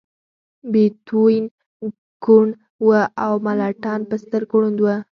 بیتووین کوڼ و او ملټن په سترګو ړوند و